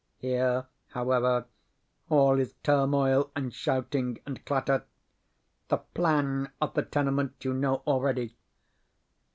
Here, however, all is turmoil and shouting and clatter. The PLAN of the tenement you know already.